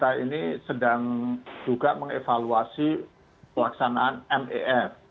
nah pemerintah ini sedang juga mengevaluasi pelaksanaan mef